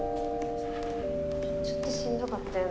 ちょっとしんどかったよね。